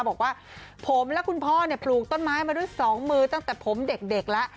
บอกว่าผมและคุณพ่อปลูกต้นไม้มาด้วยสองมือตั้งแต่ผมเด็กแล้ว